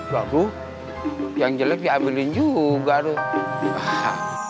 gak bu yang jelek diambilin juga aduh